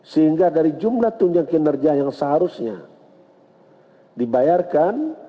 sehingga dari jumlah tunjangan kinerja yang seharusnya dibayarkan